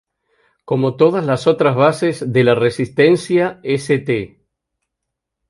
Como todas las otras bases de la resistencia, St.